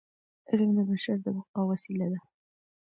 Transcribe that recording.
علم د بشر د بقاء وسیله ده.